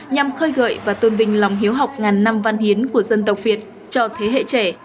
nhằm khơi gợi và tôn vinh lòng hiếu học ngàn năm văn hiến của dân tộc việt cho thế hệ trẻ